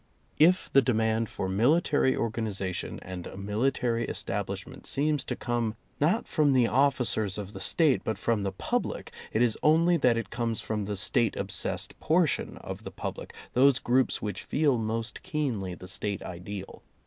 If the demand for military organi zation and a military establishment seems to come not from the officers of the State but from the public, it is only that it comes from the State obsessed portion of the public, those groups which feel most keenly the State ideal.